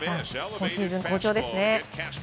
今シーズン好調ですね。